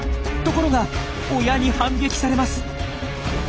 ところが親に反撃されます。